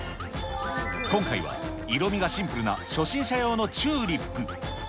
今回は色味がシンプルな初心者用のチューリップ。